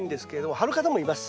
張る方もいます。